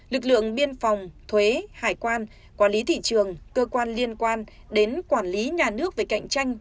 lực lượng biên phòng thuế hải quan quản lý thị trường cơ quan liên quan đến quản lý nhà nước về cạnh tranh